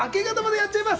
やっちゃいます！